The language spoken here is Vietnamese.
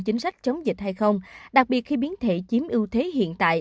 chính sách chống dịch hay không đặc biệt khi biến thể chiếm ưu thế hiện tại